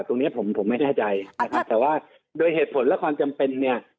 ตรงนี้ผมไม่แน่ใจแต่ว่าโดยเหตุผลและความจำเป็น